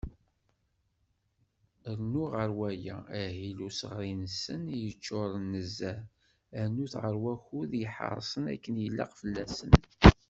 Rnu ɣer waya, ahil n useɣri-nsen i yeččuren nezzeh, rnu-t ɣer wakud i iḥeṛṣen akken ilaq fell-asen.